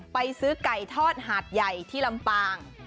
ไปซื้อไก่ทอดหาดใหญ่ที่ลำปาง